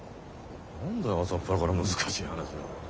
何だ朝っぱらから難しい話を。